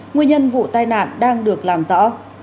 nguyên nhân vụ tai nạn đang được làm rõ